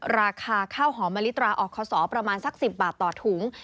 ราคาข้าวหอมมะลิตราอคศประมาณสัก๑๐บาทต่อถุง